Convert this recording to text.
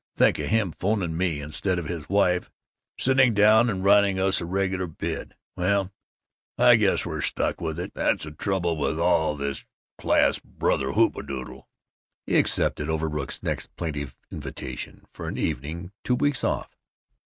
Think of him 'phoning me, instead of his wife sitting down and writing us a regular bid! Well, I guess we're stuck for it. That's the trouble with all this class brother hooptedoodle." He accepted Overbrook's next plaintive invitation, for an evening two weeks off.